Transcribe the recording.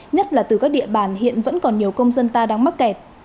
nhất là từ các địa bàn hiện vẫn còn nhiều công dân ta đang mắc kẹt